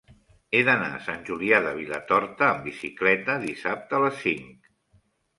He d'anar a Sant Julià de Vilatorta amb bicicleta dissabte a les cinc.